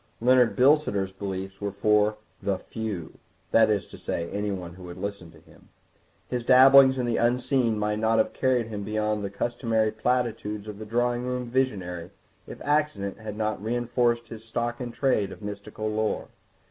Leonard Bilsiter's beliefs were for "the few," that is to say, anyone who would listen to him. His dabblings in the unseen might not have carried him beyond the customary platitudes of the drawing room visionary if accident had not reinforced his stock in trade of mystical lore.